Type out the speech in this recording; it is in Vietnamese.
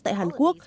tại hàn quốc